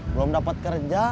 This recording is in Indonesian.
belum dapat kerja